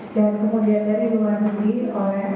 dan kemudian dari luar negeri oleh s satu